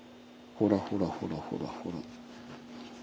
ほらほらほらほらほら。